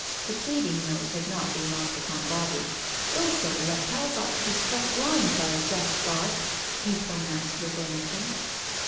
The plead ing note had not been lost upon Bobbie. " Those sort of reptiles ought to be struck blind by a just God," he pronounced with energy.